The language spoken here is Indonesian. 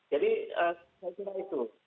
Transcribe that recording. jadi saya kira itu